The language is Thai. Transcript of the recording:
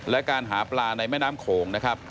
และการหาปลาในแม่น้ำโขงนะครับ